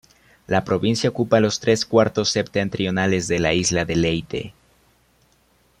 La provincia ocupa los tres cuartos septentrionales de la Isla de Leyte.